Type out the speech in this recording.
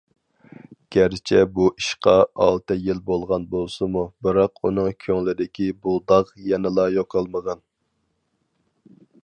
گەرچە بۇ ئىشقا ئالتە يىل بولغان بولسىمۇ بىراق ئۇنىڭ كۆڭلىدىكى بۇ داغ يەنىلا يوقالمىغان.